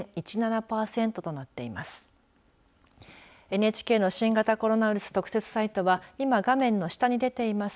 ＮＨＫの新型コロナウイルス特設サイトは今、画面の下に出ています